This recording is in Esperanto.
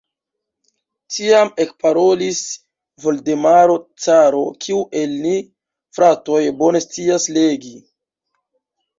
Tiam ekparolis Voldemaro caro: "Kiu el ni, fratoj, bone scias legi?"